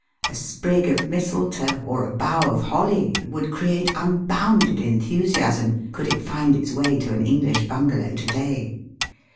,A sprig of mistletoe or a bough of holly would create unbounded enthusiasm could it find its way to an Enghsh bungalow to day.